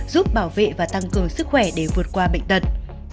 giúp bảo vệ và tăng cường sức khỏe để vượt qua bệnh tật